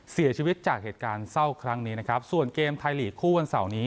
เสียชีวิตจากเหตุการณ์เศร้าครั้งนี้นะครับส่วนเกมไทยลีกคู่วันเสาร์นี้